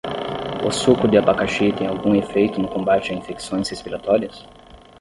O suco de abacaxi tem algum efeito no combate a infecções respiratórias?